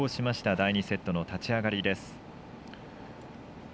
第２セットの立ち上がりです。